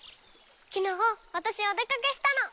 きのうわたしお出かけしたの。